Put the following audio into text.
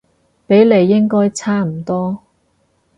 比例應該差唔多